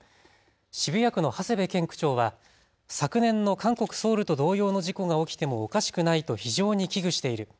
渋谷区の長谷部健区長は昨年の韓国・ソウルと同様の事故が起きてもおかしくないと非常に危惧している。